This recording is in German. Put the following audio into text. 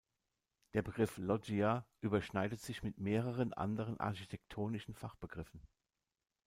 Der Begriff Loggia überschneidet sich mit mehreren anderen architektonischen Fachbegriffen.